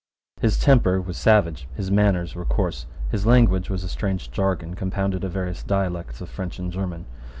His temper was savage: his manners were coarse: his language was a strange jargon compounded of various dialects of French and German.